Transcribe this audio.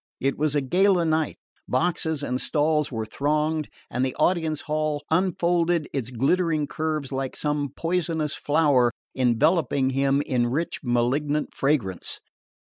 It was a gala night, boxes and stalls were thronged, and the audience hall unfolded its glittering curves like some poisonous flower enveloping him in rich malignant fragrance.